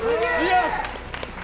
よし！